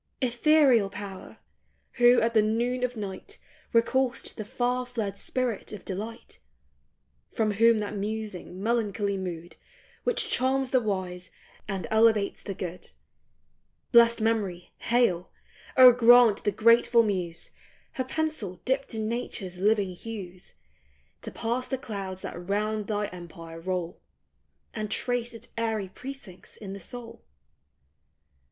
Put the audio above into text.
Ethereal power ! who at the noon of night Recall'st the far fled spirit of delight ; From whom that musing, melancholy mood Which charms the wise, and elevates the good ; Blest Memory, hail ! O grant the grateful muse, Her pencil dipped in nature's living hues, To pass the clouds that round thy empire roll, And trace its airy precincts in the soul.